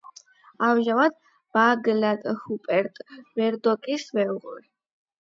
ამჟამად მაგნატ რუპერტ მერდოკის მეუღლე.